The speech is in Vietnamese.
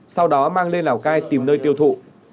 sau đó mang lên lào cai tìm nơi tiêu thụ